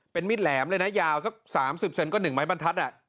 เป็นมีดแหลมเลยนะยาวสัก๓๐เซนก็๑ไม้บรรทัศน์